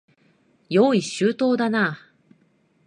用意周到だな。